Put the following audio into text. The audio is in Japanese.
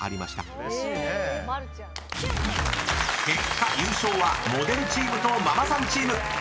［結果優勝はモデルチームとママさんチーム］